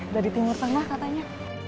dari timur tengah katanya